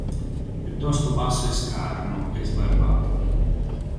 Piuttosto basso e scarno, e sbarbato.